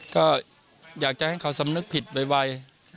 ก็อยากจะให้เขาสำนึกผิดไว